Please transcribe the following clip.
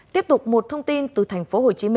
tiếp tục một thông tin từ tp hcm